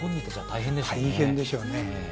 大変でしょうね。